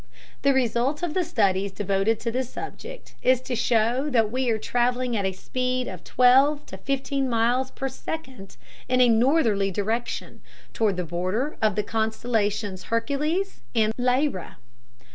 The result of the studies devoted to this subject is to show that we are traveling at a speed of twelve to fifteen miles per second in a northerly direction, toward the border of the constellations Hercules and Lyra.